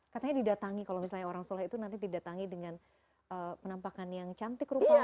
katanya didatangi kalau misalnya orang soleh itu nanti didatangi dengan penampakan yang cantik rupanya